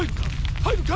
入るか？